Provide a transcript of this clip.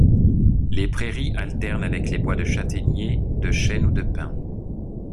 Les prairies alternent avec les bois de châtaigniers, de chênes ou de pins.